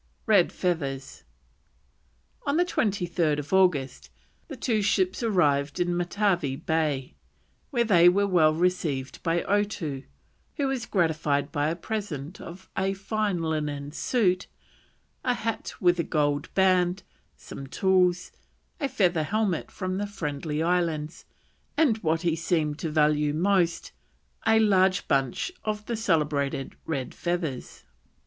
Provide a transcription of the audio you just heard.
RED FEATHERS. On the 23rd August the two ships arrived in Matavai Bay, where they were well received by Otoo, who was gratified by a present of a fine linen suit, a hat with a gold band, some tools, a feather helmet from the Friendly Islands, and, what he seemed to value most, a large bunch of the celebrated red feathers.